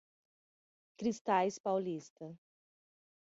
Cristais Paulista